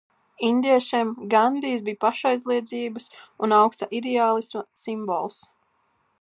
Indiešiem Gandijs bija pašaizliedzības un augsta ideālisma simbols.